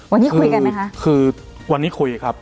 วันนี้คุยกันไหมคะคือวันนี้คุยครับ